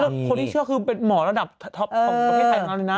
คนที่เชื่อคือเป็นหมอระดับท็อปของประเทศไทยของเราเลยนะ